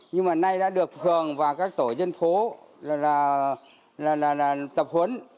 nhưng mà nay đã được hưởng vào các tổ dân phố là tập huấn